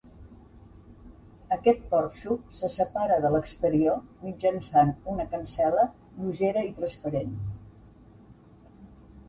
Aquest porxo se separa de l’exterior mitjançant una cancel·la lleugera i transparent.